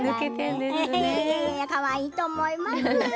かわいいと思います。